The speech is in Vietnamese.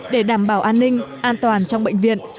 để đảm bảo an ninh an toàn trong bệnh viện